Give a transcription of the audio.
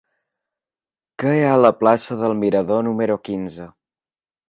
Què hi ha a la plaça del Mirador número quinze?